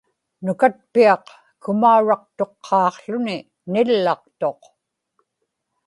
nukatpiaq kumauraqtuqqaaqłuni nillaqtuq